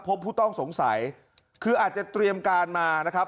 ผู้ต้องสงสัยคืออาจจะเตรียมการมานะครับ